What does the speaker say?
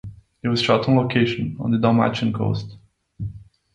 It was shot on location on the Dalmatian Coast.